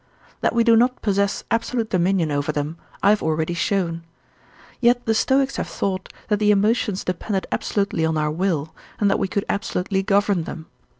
That we do not possess absolute dominion over them, I have already shown. Yet the Stoics have thought, that the emotions depended absolutely on our will, and that we could absolutely govern them.